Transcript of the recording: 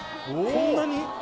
こんなに！？